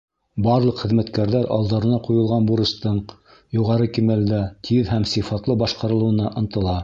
Барлыҡ хеҙмәткәрҙәр алдарына ҡуйылған бурыстың юғары кимәлдә, тиҙ һәм сифатлы башҡарылыуына ынтыла.